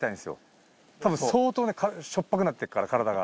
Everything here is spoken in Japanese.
たぶん相当しょっぱくなってっから体が。